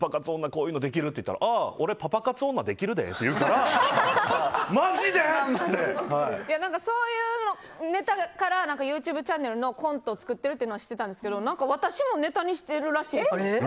こういうのできる？って言ったらああ、パパ活女できるでって言うからそういうネタからＹｏｕＴｕｂｅチャンネルのコントを作ってるっていうのは知ってたんですけど私もネタにしてるらしいんですよ。